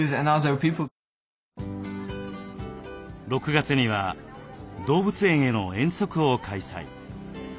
６月には動物園への遠足を開催。